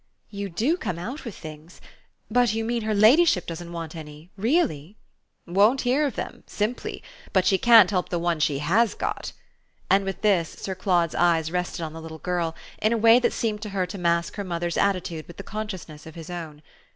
"You do come out with things! But you mean her ladyship doesn't want any really?" "Won't hear of them simply. But she can't help the one she HAS got." And with this Sir Claude's eyes rested on the little girl in a way that seemed to her to mask her mother's attitude with the consciousness of his own.